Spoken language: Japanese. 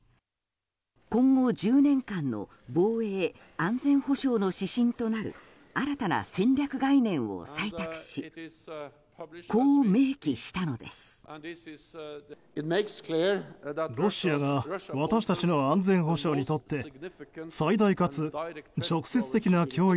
今後１０年間の防衛・安全保障の指針となる新たな戦略概念を採択しこう明記したのです。